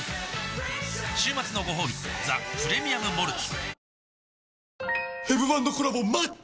週末のごほうび「ザ・プレミアム・モルツ」